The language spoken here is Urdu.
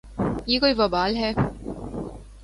یہ کوئی وبال ہے۔